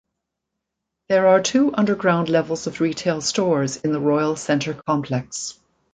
There are two underground levels of retail stores in the Royal Centre complex.